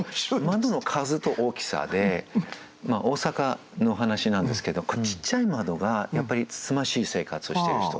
窓の数と大きさで大阪の話なんですけどちっちゃい窓がやっぱりつつましい生活をしてる人。